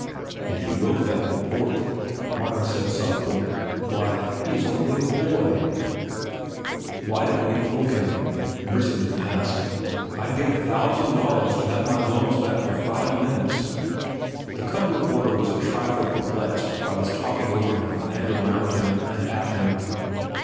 "And he wrote that report," Martin said softly. "Why, he is only a boy!" "Why don't you poke him?" Brissenden asked. "I'd give a thousand dollars to have my lungs back for five minutes." The cub reporter was a trifle perplexed by this talking over him and around him and at him.